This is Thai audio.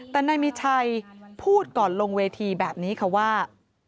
แต่นายมีชัยพูดก่อนลงเวทีแบบนี้ค่ะว่า